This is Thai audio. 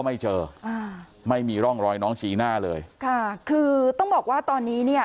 ไม่เจออ่าไม่มีร่องรอยน้องจีน่าเลยค่ะคือต้องบอกว่าตอนนี้เนี่ย